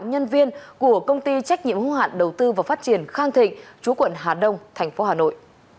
nhân viên của công ty trách nhiệm hữu hạn đầu tư và phát triển khang thịnh chú quận hà đông thành phố hà nội